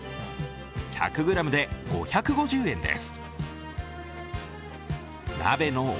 １００ｇで５５０円です。